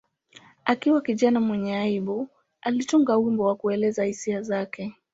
Akiwa kijana mwenye aibu, alitunga wimbo wa kuelezea hisia zake.